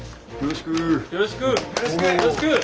よろしく。